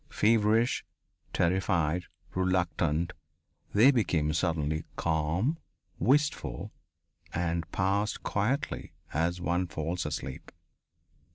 Feverish, terrified, reluctant, they became suddenly calm, wistful, and passed quietly as one falls asleep.